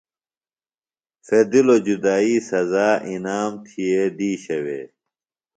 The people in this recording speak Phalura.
پھیدِلوۡ جدائی سزا انعام تھیئے دیشہ وے۔